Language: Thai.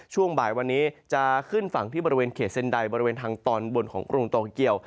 ช่วงบ่ายวันนี้จะขึ้นฝั่งที่บริเวณเขตเซ็นไดบริเวณทางตอนบนของกรุงโตเกียว